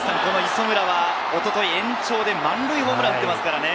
磯村は一昨日、延長で満塁ホームランを打っていますからね。